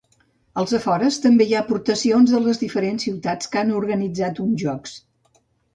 Als afores, també hi ha aportacions de les diferents ciutats que han organitzat uns jocs.